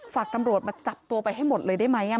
ฝากตำรวจมาจับตัวไปให้หมดเลยได้ไหม